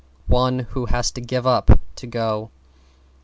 One who has to give up to go.